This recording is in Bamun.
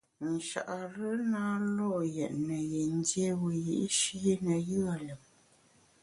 Nchare na lo’ yètne yin dié wiyi’shi ne yùe lùm.